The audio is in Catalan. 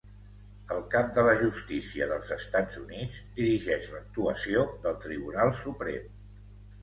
El Cap de la Justícia dels Estats Units dirigeix l'actuació del Tribunal Suprem.